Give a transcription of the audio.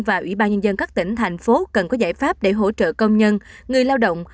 và ủy ban nhân dân các tỉnh thành phố cần có giải pháp để hỗ trợ công nhân người lao động